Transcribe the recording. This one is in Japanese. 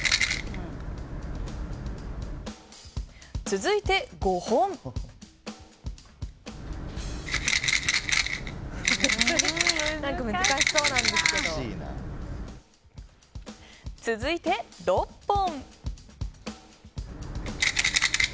続いて、５本。続いて、６本。